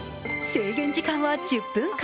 制限時間は１０分間。